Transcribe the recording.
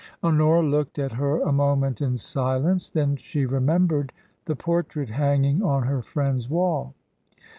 Honora looked at her a moment in silence ; then she remembered the portrait hanging on her friend's wall.